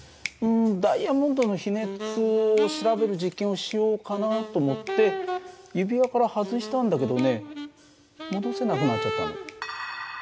ダイヤモンドの比熱を調べる実験をしようかなと思って指輪から外したんだけどね戻せなくなっちゃったの。